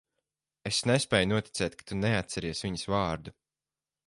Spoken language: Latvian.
Es nespēju noticēt, ka tu neatceries viņas vārdu.